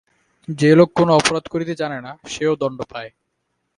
যে লোক কোনো অপরাধ করিতে জানে না, সেও দণ্ড পায়!